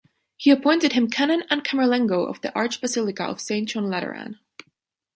He appointed him canon and camerlengo of the Archbasilica of Saint John Lateran.